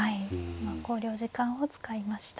今考慮時間を使いました。